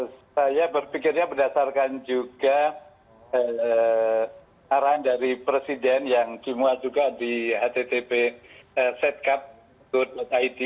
saya berpikirnya berdasarkan juga arahan dari presiden yang dimuat juga di http setcap go id